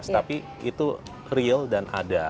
tapi itu real dan ada